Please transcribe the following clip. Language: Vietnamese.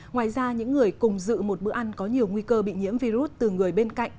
ngoài ra những người cùng dự một bữa ăn có nhiều nguy cơ bị nhiễm virus từ người bên cạnh